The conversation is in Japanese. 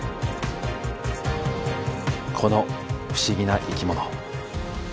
この不思議な生き物。